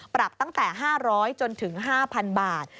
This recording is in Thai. ปรับตั้งแต่๕๐๐จนถึง๕๐๐๐บาท